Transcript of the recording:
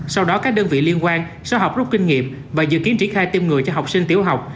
sau đó các đơn vị liên quan sẽ học rút kinh nghiệm và dự kiến triển khai tiêm người cho học sinh tiểu học